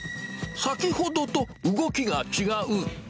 先ほどと動きが違う。